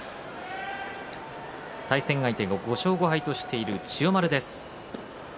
対戦相手、５勝５敗としている千代丸です。